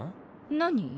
何？